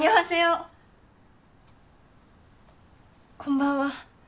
こんばんは。